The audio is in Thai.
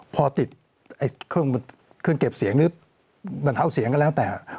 พอติดเครื่องเก็บเสียงหรือบรรเทาเสียงก็แล้วแต่